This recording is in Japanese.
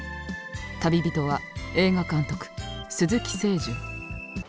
旅人は映画監督鈴木清順。